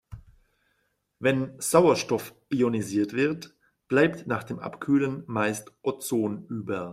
Wenn Sauerstoff ionisiert wird, bleibt nach dem Abkühlen meist Ozon über.